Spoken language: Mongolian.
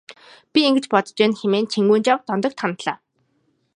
Би ингэж бодож байна хэмээн Чингүнжав Дондогт хандлаа.